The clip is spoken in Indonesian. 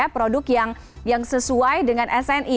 produk yang sesuai dengan sni